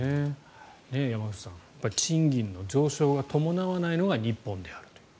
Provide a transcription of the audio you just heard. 山口さん賃金の上昇が伴わないのが日本であるという。